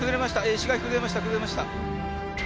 石垣崩れました崩れました。